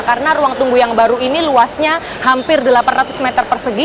karena ruang tunggu yang baru ini luasnya hampir delapan ratus meter persegi